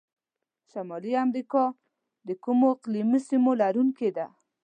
شمالي امریکا د کومو اقلیمي سیمو لرونکي ده؟